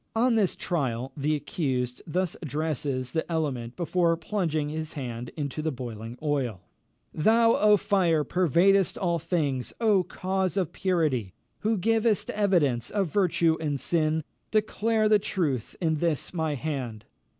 On this trial the accused thus addresses the element before plunging his hand into the boiling oil: "Thou, O fire! pervadest all things. O cause of purity! who givest evidence of virtue and of sin, declare the truth in this my hand!"